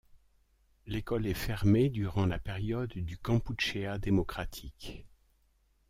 L'école est fermée durant la période du Kampuchéa démocratique.